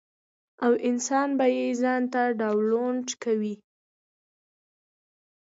او انسان به ئې ځان ته ډاونلوډ کوي -